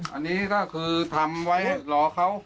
อันนี้ก็คือทำไว้รอเขา